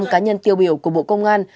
năm cá nhân tiêu biểu của bộ công an